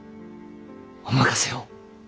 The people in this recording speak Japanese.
お任せを。